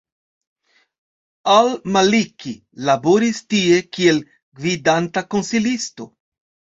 Al-Maliki laboris tie kiel gvidanta konsilisto.